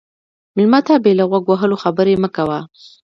مېلمه ته بې له غوږ وهلو خبرې مه کوه.